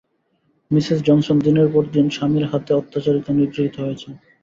Mrs Johnson দিনের পর দিন স্বামীর হাতে অত্যাচারিত, নিগৃহীত হয়েছেন।